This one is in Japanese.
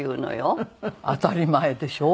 当たり前でしょ。